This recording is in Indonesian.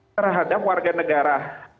terhadap warga negara